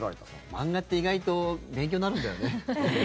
漫画って意外と勉強になるんだよね。